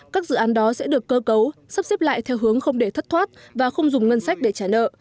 các dự án đó sẽ được cơ cấu sắp xếp lại theo hướng không để thất thoát và không dùng ngân sách để trả nợ